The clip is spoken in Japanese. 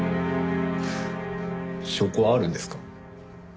証拠はあるんですか？